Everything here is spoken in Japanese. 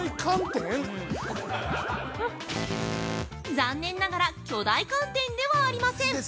◆残念ながら巨大寒天ではありません！